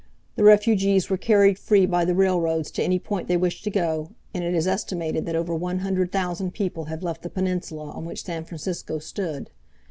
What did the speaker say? The refugees were carried free by the railroads to any point they wished to go, and it is estimated that over one hundred thousand people have left the peninsula on which San Francisco stood.